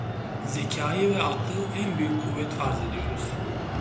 Zekayı ve aklı en büyük kuvvet farz ediyoruz.